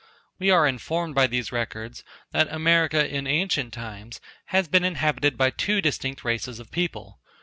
We are informed by these records that America in ancient times has been inhabited by two distinct races of people.